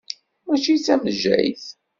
Mačči d tamejjayt.